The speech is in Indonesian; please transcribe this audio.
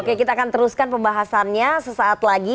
oke kita akan teruskan pembahasannya sesaat lagi